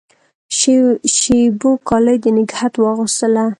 شېبو کالي د نګهت واغوستله